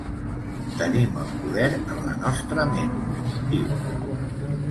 Tenim el poder en la nostra ment, diu.